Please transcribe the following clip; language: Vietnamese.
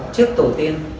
trước tổ tiên